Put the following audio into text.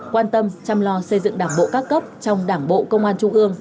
quan tâm chăm lo xây dựng đảng bộ các cấp trong đảng bộ công an trung ương